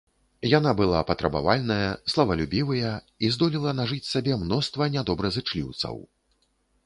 Яна была патрабавальная, славалюбівыя і здолела нажыць сабе мноства нядобразычліўцаў.